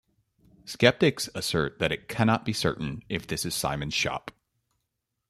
Skeptics assert that it cannot be certain if this is Simon's shop.